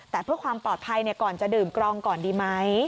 แต่เพื่อความปลอดภัยก่อนจะดื่มกรองก่อนดีไหม